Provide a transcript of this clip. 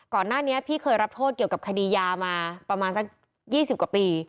ก่อนหน้านี้พี่เคยรับโทษเกี่ยวกับคดียามาประมาณสัก๒๐กว่าปี